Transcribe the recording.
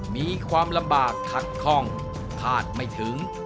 มีความลำบากขัดข้องคาดไม่ถึง